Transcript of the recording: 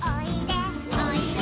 「おいで」